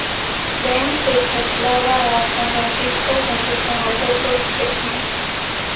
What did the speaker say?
Ben se traslada a San Francisco junto con los otros X-Men.